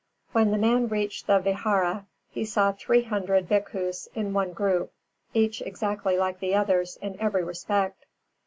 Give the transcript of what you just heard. When the man reached the Vihāra, he saw three hundred bhikkhus in one group, each exactly like the others in every respect.